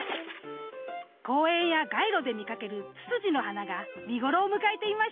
公園や街路で見かけるツツジの花が見頃を迎えていました。